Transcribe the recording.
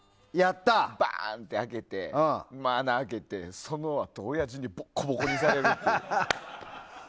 バン！って開けてそのあと、おやじにボコボコにされるっていう。